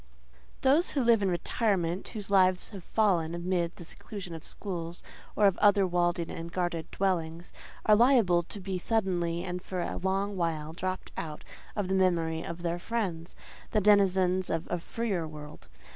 Those who live in retirement, whose lives have fallen amid the seclusion of schools or of other walled in and guarded dwellings, are liable to be suddenly and for a long while dropped out of the memory of their friends, the denizens of a freer world.